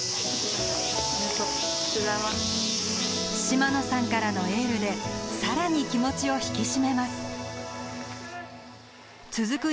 島野さんからのエールでさらに気持ちを引き締めます続く